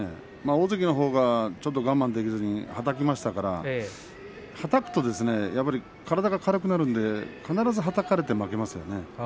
大関のほうがちょっと我慢できずに、はたきましたからはたくとやっぱり体が軽くなるので必ずはたかれて負けますよね。